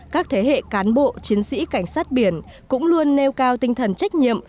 các thế hệ cán bộ chiến sĩ cảnh sát biển cũng luôn nêu cao tinh thần trách nhiệm